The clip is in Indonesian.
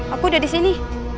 aku udah disini